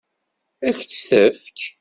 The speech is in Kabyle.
Ad k-tt-tefk?